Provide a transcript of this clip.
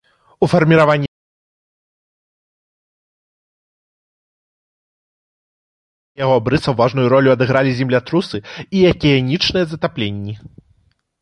У фарміраванні яго абрысаў важную ролю адыгралі землятрусы і акіянічныя затапленні.